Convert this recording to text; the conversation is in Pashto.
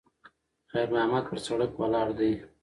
خیر محمد پر سړک ولاړ دی.